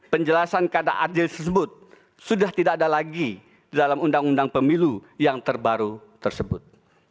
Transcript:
penjelasan kada adil tersebut sudah tidak ada lagi dalam undang undang pemilu yang terbaru tersebut